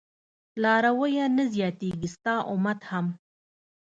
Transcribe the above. لارويه نه زياتېږي ستا امت هم